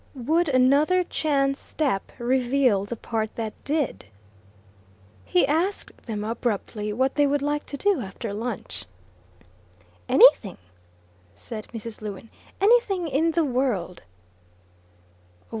Would another chance step reveal the part that did? He asked them abruptly what they would like to do after lunch. "Anything," said Mrs. Lewin, "anything in the world."